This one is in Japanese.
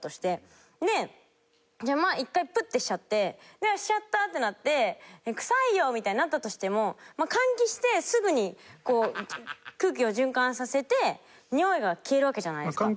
１回プッてしちゃって「しちゃった！」ってなって「臭いよ！」みたいになったとしても換気してすぐに空気を循環させてにおいが消えるわけじゃないですか。